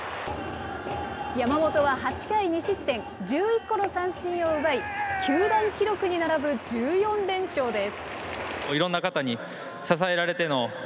山本は８回２失点、１１個の三振を奪い、球団記録に並ぶ１４連勝です。